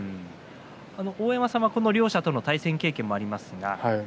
大山さんはこの両者と対戦経験があります。